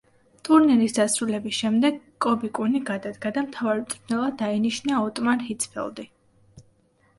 ტურნირის დასრულების შემდეგ კობი კუნი გადადგა და მთავარ მწვრთნელად დაინიშნა ოტმარ ჰიცფელდი.